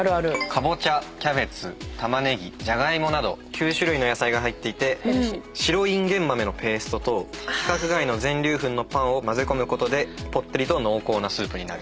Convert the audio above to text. カボチャキャベツ玉葱じゃがいもなど９種類の野菜が入っていて白いんげん豆のペーストと規格外の全粒粉のパンを混ぜ込むことでぽってりと濃厚なスープになると。